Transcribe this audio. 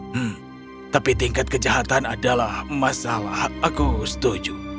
hmm tapi tingkat kejahatan adalah masalah aku setuju